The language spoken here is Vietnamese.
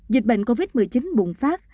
dịch bệnh covid một mươi chín bùng phát